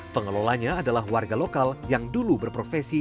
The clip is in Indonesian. pengelolanya adalah warga lokal yang dulu berprofesi